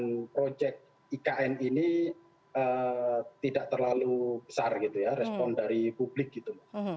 dan proyek ikn ini tidak terlalu besar gitu ya respon dari publik gitu